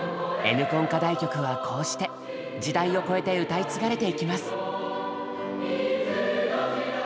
「Ｎコン」課題曲はこうして時代を超えて歌い継がれてゆきます。